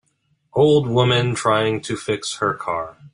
old women trying to fix her car